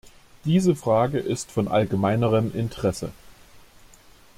Diese Frage ist von allgemeinerem Interesse.